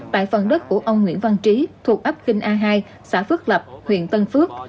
tại phần đất của ông nguyễn văn trí thuộc ấp kinh a hai xã phước lập huyện tân phước